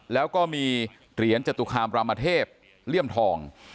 แล้วก็มีเหรียญจตุคามรามเทพเลี่ยมทอง